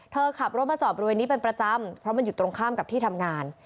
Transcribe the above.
ขับรถมาจอดบริเวณนี้เป็นประจำเพราะมันอยู่ตรงข้ามกับที่ทำงาน